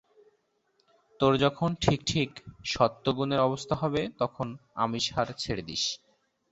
তোর যখন ঠিক ঠিক সত্ত্বগুণের অবস্থা হবে তখন আমিষহার ছেড়ে দিস।